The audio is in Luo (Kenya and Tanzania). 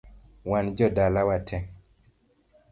Wan jodala watee